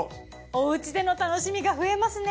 おうちでの楽しみが増えますね。